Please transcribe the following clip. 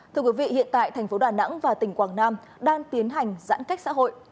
thưa quý vị hiện tại thành phố đà nẵng và tỉnh quảng nam đang tiến hành giãn cách xã hội